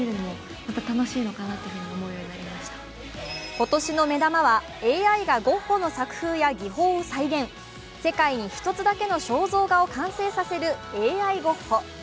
今年の目玉はＡＩがゴッホの作風や技法を再現、世界に一つだけの肖像画を完成させるＡＩゴッホ。